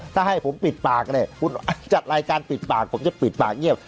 ถ้าให้ผมปิดปากเนี่ยคุณจัดรายการปิดปากผมจะปิดปากเงียบ